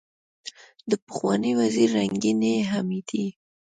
دپخوانۍ وزیرې رنګینې حمیدې